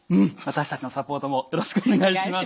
私たちのサポートもよろしくお願いします。